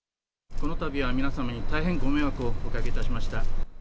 このたびは皆様に大変ご迷惑をおかけいたしました。